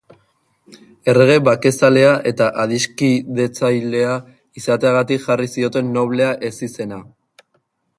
Errege bakezalea eta adiskidetzailea izateagatik jarri zioten Noblea ezizena.